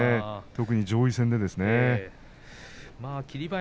特に、上位戦ですね。